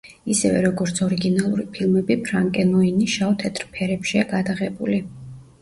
ისევე, როგორც ორიგინალური ფილმები, „ფრანკენუინი“ შავ-თეთრ ფერებშია გადაღებული.